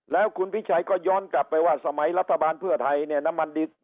แล้วคุณพิชัยก็ย้อนกลับไปว่าสมัยรัฐบาลเพื่อไทยเนี่ยน้ำมันดี